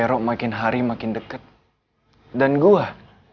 udah waktu taki selilla untuk tingkat yang sama